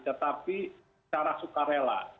tetapi secara sukarela